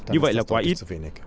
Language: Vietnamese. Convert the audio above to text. như vậy là quá ít